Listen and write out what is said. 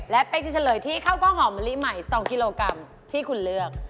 และเป๊กจะเฉลยที่ข้าวกล้องหอมมะลิใหม่๒กิโลกรัมที่คุณเลือก